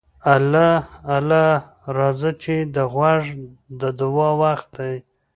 اله اله راځه چې د غوږ د دوا وخت دی.